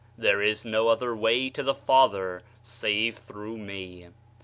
"There is no other way to the Father save through Me."